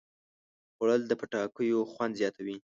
خوړل د پټاکیو خوند زیاتوي